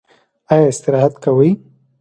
ایا استراحت کوئ؟